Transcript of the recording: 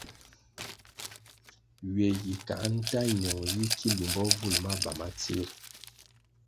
Ywe yi kā nta ñong yi ki limbo vul maba ma tsir?